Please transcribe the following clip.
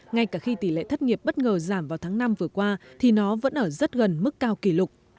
ngay cả khi tỷ lệ thất nghiệp bất ngờ giảm vào tháng năm vừa qua thì nó vẫn ở rất gần mức cao kỷ lục